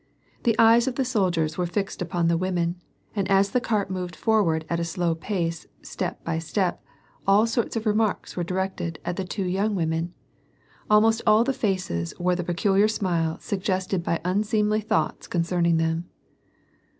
The eyes of the soldiers were fixed upon the women, and as the cart moved forward at a slow pace, step by step, all sorts of remarks were directed at the two young women. Almost all the faces wore the peculiar smile suggested by vinseemly thonghts concerning tnem.